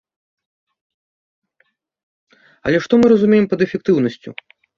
Але што мы разумеем пад эфектыўнасцю?